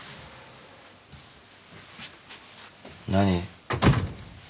何？